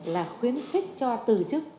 là khuyến khích cho từ chức